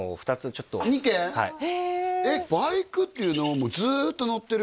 はいバイクっていうのはずっと乗ってる？